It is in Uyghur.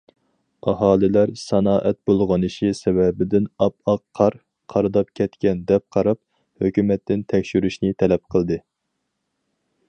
ئاھالىلەر، سانائەت بۇلغىنىشى سەۋەبىدىن ئاپئاق قار قارىداپ كەتكەن، دەپ قاراپ، ھۆكۈمەتتىن تەكشۈرۈشنى تەلەپ قىلدى.